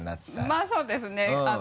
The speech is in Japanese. まぁそうですね。